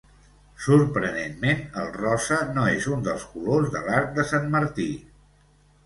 Sorprenentment, el rosa no és un dels colors de l'arc de Sant Martí.